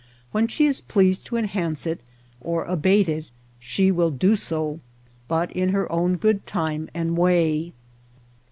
When she is pleased to enhance it or abate it she will do so ; but in her own good time and way.